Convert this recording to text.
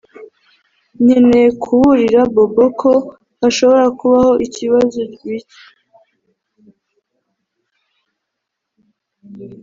Nkeneye kuburira Bobo ko hashobora kubaho ibibazo bike